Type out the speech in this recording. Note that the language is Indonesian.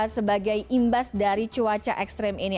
sebagai imbas dari cuaca ekstrim ini